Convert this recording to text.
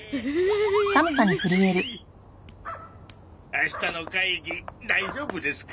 明日の会議大丈夫ですか？